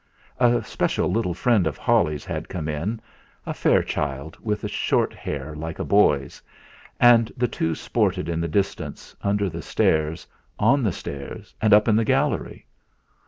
A special little friend of Holly's had come in a fair child with short hair like a boy's. And the two sported in the distance, under the stairs, on the stairs, and up in the gallery.